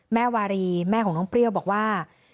วารีแม่ของน้องเปรี้ยวบอกว่า